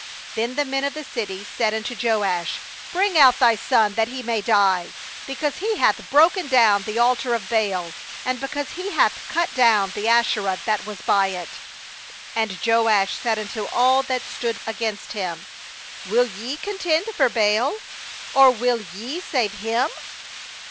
30Then the men of the city said unto Joash: 'Bring out thy son, that he may die; because he hath broken down the altar of Baal, and because he hath cut down the Asherah that was by it.' 31And Joash said unto all that stood against him: 'Will ye contend for Baal? or will ye save him?